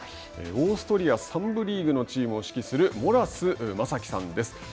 オーストリア３部リーグのチームを指揮するモラス雅輝さんです。